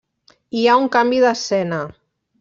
Hi ha un canvi d'escena.